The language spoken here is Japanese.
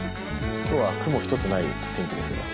今日は雲一つない天気ですけど。